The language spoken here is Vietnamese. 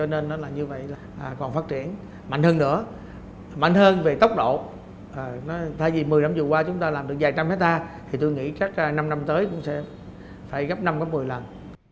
nên là như vậy là còn phát triển mạnh hơn nữa mạnh hơn về tốc độ tại vì một mươi năm vừa qua chúng ta làm được vài trăm hectare thì tôi nghĩ các năm năm tới cũng sẽ phải gấp năm một mươi lần